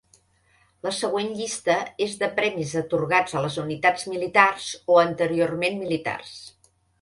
La següent llista és de premis atorgats a les unitats militars o anteriorment militars.